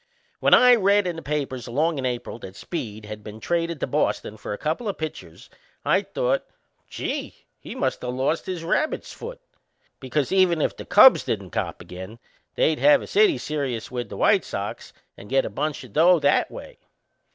When I read in the papers along in April that Speed had been traded to Boston for a couple o' pitchers I thought: "Gee! He must of lost his rabbit's foot!" Because, even if the Cubs didn't cop again, they'd have a city serious with the White Sox and get a bunch o' dough that way.